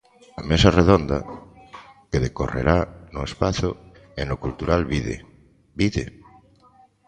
A mesa redonda, que decorrerá no espazo enocultural Vide, Vide!